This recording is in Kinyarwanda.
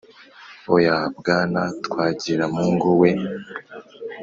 Oya, Bwana Twagiramungu we